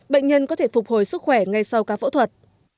bệnh nhân có thể phục hồi sức khỏe ngay sau ca phẫu thuật